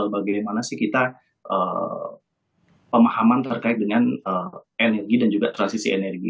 bagaimana sih kita pemahaman terkait dengan energi dan juga transisi energi